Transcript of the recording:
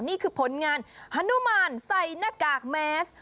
นี่คือผลงานฮานุมานใส่หน้ากากแมส